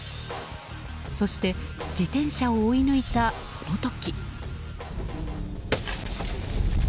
そして、自転車を追い抜いたその時。